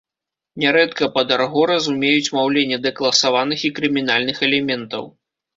Нярэдка пад арго разумеюць маўленне дэкласаваных і крымінальных элементаў.